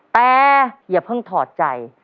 แต่อย่าเพิ่งถอดใจ